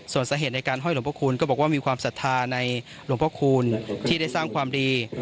ส่วนสาเหตุในการห้อยหลวงพระคูณก็บอกว่ามีความศรัทธาในหลวงพระคูณที่ได้สร้างความดี